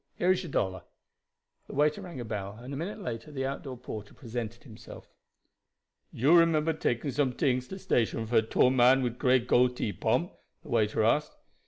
Here is your dollar." The waiter rang a bell, and a minute later the outdoor porter presented himself. "You remember taking some tings to station for a tall man wid gray goatee, Pomp?" the waiter asked.